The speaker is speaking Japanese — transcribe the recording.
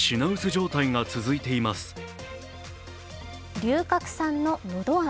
龍角散ののど飴